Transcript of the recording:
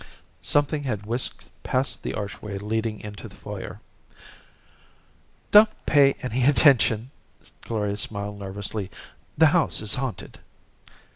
Something had whisked past the archway leading into the foyer. "Don't pay any attention," Gloria smiled nervously. "The house is haunted."